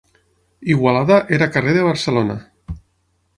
Igualada era carrer de Barcelona.